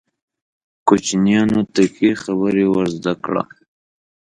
کوچنیانو ته ښې خبرې ور زده کړه.